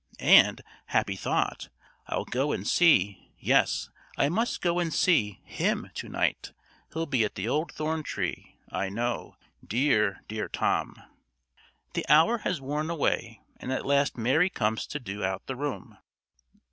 And, happy thought, I'll go and see yes, I must go and see him to night; he'll be at the old thorn tree, I know, dear, dear, Tom." The hour has worn away, and at last Mary comes to "do out the room."